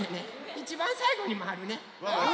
いちばんさいごにまわるね。